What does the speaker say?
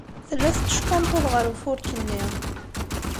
Tella tetteckunṭuḍ ɣer ufurk-nni.